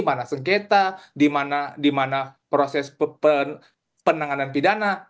mana sengketa di mana proses penanganan pidana